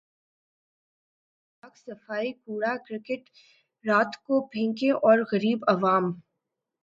متوازن خوراک صفائی کوڑا کرکٹ رات کو پھینکیں اور غریب عوام